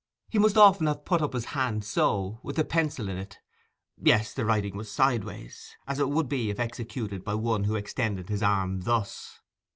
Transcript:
He must often have put up his hand so—with the pencil in it. Yes, the writing was sideways, as it would be if executed by one who extended his arm thus.